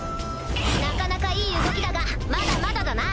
なかなかいい動きだがまだまだだな。